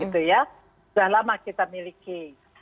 sudah lama kita miliki